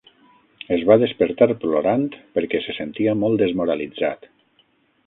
Es va despertar plorant perquè se sentia molt desmoralitzat.